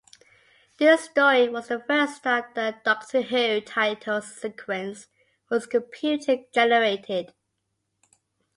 This story was the first time the "Doctor Who" title sequence was computer-generated.